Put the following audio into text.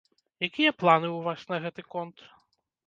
Якія планы ў вас на гэты конт?